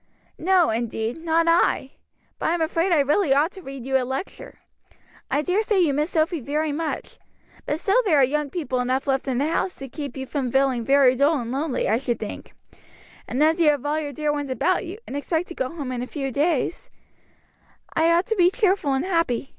"No, indeed, not I; but I'm afraid I really ought to read you a lecture. I daresay you miss Sophy very much, but still there are young people enough left in the house to keep you from feeling very dull and lonely, I should think; and as you have all your dear ones about you, and expect to go home in a few days " "I ought to be cheerful and happy.